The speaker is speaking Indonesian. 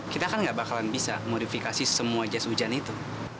kita kan gak bakalan bisa modifikasi semua jas hujan itu